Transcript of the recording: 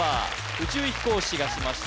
宇宙飛行士がしました